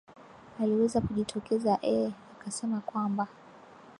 aliweza kujitokeza eh akasema kwamba